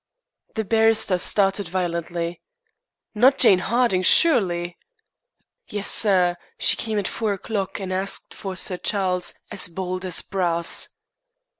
The barrister started violently. "Not Jane Harding, surely?" "Yes, sir. She came at four o'clock and asked for Sir Charles, as bold as brass."